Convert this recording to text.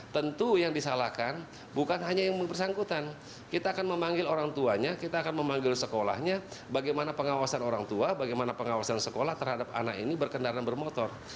tentu yang disalahkan bukan hanya yang bersangkutan kita akan memanggil orang tuanya kita akan memanggil sekolahnya bagaimana pengawasan orang tua bagaimana pengawasan sekolah terhadap anak ini berkendaraan bermotor